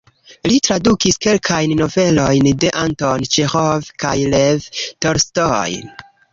Li tradukis kelkajn novelojn de Anton Ĉeĥov kaj Lev Tolstoj.